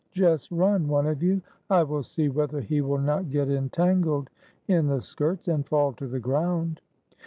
Just run, one of you! I will see whether he will not get entangled in the skirts, and fall to the ground."